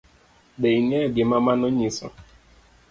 Be ing'eyo gima mano nyiso?